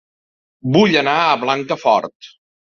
Vull anar a Blancafort